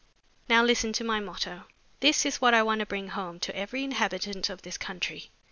Now listen to my motto. This is what I want to bring home to every inhabitant of this country.